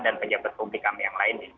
dan pejabat publik kami yang lain